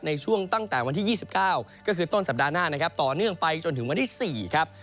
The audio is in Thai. ในช่วงตั้งแต่วันที่๒๙ก็คือต้นสัปดาห์หน้านะครับต่อเนื่องไปจนถึงวันที่๔ครับ